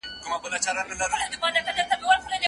حنبلي فقهاء د عاقل ماشوم په اړه څه نظر لري؟